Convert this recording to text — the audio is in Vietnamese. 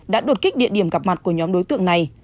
đã đột kích địa điểm gặp mặt của nhóm đối tượng này